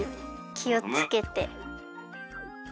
きをつけて。